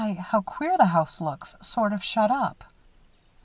How queer the house looks sort of shut up."